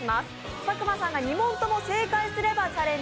佐久間さんが２問とも正解すればチャレンジ